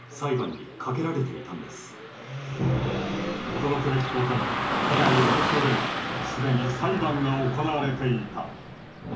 驚くべきことに古代エジプトではすでに裁判が行われていた。